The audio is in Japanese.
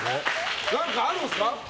何かあるんですか？